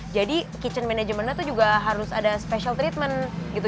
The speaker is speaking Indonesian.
jadi kitchen manajemennya tuh juga harus ada special treatment gitu